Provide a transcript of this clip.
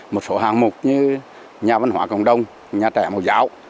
một số hạng mục như nhà văn hóa cộng đồng nhà trẻ màu dạo